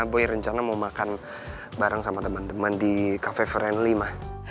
boy rencana mau makan bareng sama teman teman di cafe friendl lima